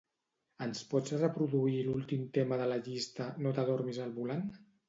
Ens pots reproduir l'últim tema de la llista "no t'adormis al volant"?